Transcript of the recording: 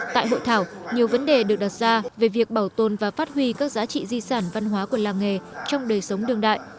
tại hội thảo nhiều vấn đề được đặt ra về việc bảo tồn và phát huy các giá trị di sản văn hóa của làng nghề trong đời sống đương đại